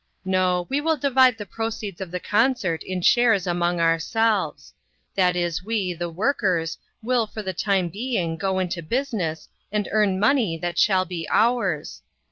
No, we will divide the proceeds of the concert in shares among ourselves ; that is we, the workers, will for the time being go into business and earn money that shall be ours.